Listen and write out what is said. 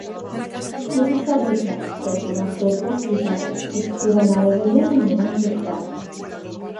Եղիսաբեթն էլ սկսեց ուրախ կերպով ծիծաղել, իսկ Սուրեն Արևելյանը միայն ժպտաց: